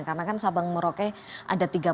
karena kan sabang merauke ada tiga